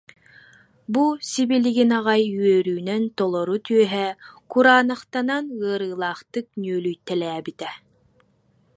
Бу сибилигин аҕай үөрүүнэн толору түөһэ кураанахтанан ыарыылаахтык ньүөлүйтэлээбитэ